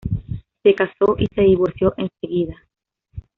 Se casó y se divorció enseguida.